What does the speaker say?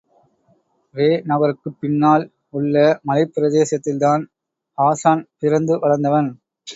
ரே நகருக்குப் பின்னால் உள்ள மலைப் பிரதேசத்தில்தான் ஹாசான் பிறந்து வளர்ந்தவன்.